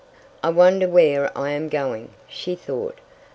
"I wonder where I am going?" she thought.